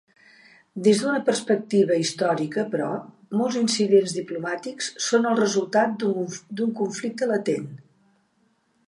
Des d'una perspectiva històrica però, molts incidents diplomàtics són el resultat d'un conflicte latent.